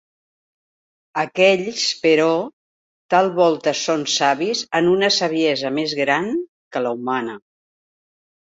Aquells, però, tal volta són savis en una saviesa més gran que l'humana;